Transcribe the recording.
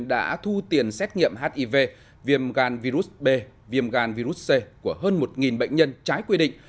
đã thu tiền xét nghiệm hiv viêm gan virus b viêm gan virus c của hơn một bệnh nhân trái quy định